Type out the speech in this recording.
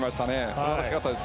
素晴らしかったです